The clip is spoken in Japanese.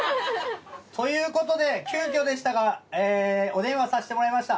ということで急きょでしたがお電話させてもらいました。